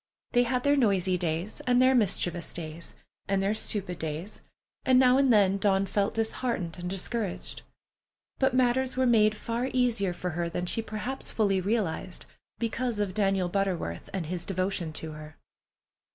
They had their noisy days, and their mischievous days, and their stupid days, and now and then Dawn felt disheartened and discouraged. But matters were made far easier for her than she perhaps fully realized, because of Daniel Butterworth and his devotion to her.